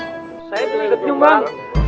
saya juga ikut menyumbang